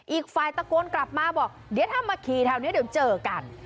อีกฝ่ายตะโกนกลับมาบอกเดี๋ยวถ้ามาขี่แถวนี้เดี๋ยวเจอกัน